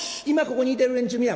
今ここにいてる連中